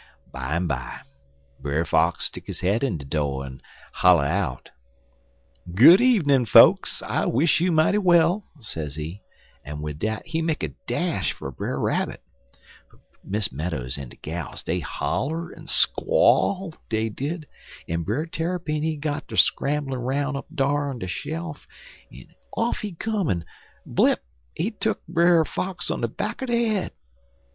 "Bimeby Brer Fox stick his head in de do', en holler out: "'Good evenin', fokes, I wish you mighty well,' sezee, en wid dat he make a dash for Brer Rabbit, but Miss Meadows en de gals dey holler en squall, dey did, en Brer Tarrypin he got ter scramblin' roun' up dar on de shelf, en off he come, en blip he tuck Brer Fox on de back er de head.